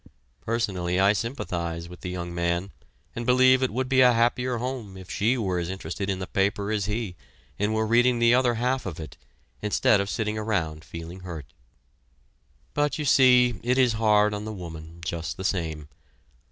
Personally I sympathize with the young man and believe it would be a happier home if she were as interested in the paper as he and were reading the other half of it instead of sitting around feeling hurt. But you see it is hard on the woman, just the same.